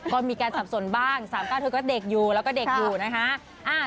ก็มีการสับสนบ้าง๓๙เธอก็เด็กอยู่แล้วก็เด็กอยู่นะคะ